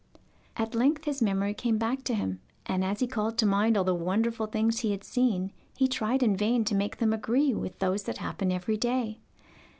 At length his memory came back to him, and as he called to mind all the wonderful things he had seen he tried in vain to make them agree with those that happen every day.